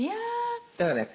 だからね